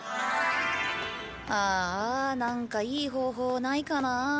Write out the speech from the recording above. ああなんかいい方法ないかなあ。